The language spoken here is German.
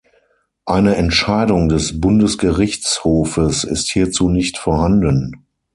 Eine Entscheidung des Bundesgerichtshofes ist hierzu nicht vorhanden.